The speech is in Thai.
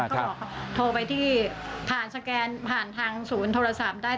ก็บอกโทรไปที่ผ่านสแกนผ่านทางศูนย์โทรศัพท์ได้